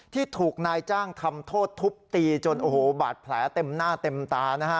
ที่ถูกนายจ้างทำโทษทุบตีจนโอ้โหบาดแผลเต็มหน้าเต็มตานะฮะ